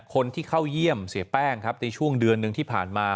คนที่เข้าเยี่ยมเสียแป้งครับในช่วงเดือนหนึ่งที่ผ่านมา